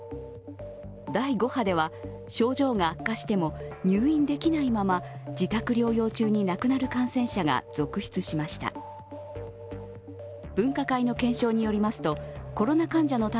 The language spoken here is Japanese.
第５波では、症状が悪化しても入院できないまま自宅療養中に亡くなる感染者が続出しました。